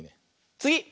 つぎ！